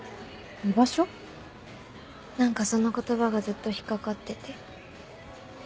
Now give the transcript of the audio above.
何かその言葉がずっと引っかかってて。